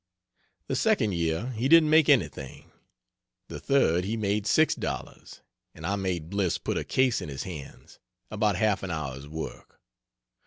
The second year, he didn't make anything. The third he made $6, and I made Bliss put a case in his hands about half an hour's work.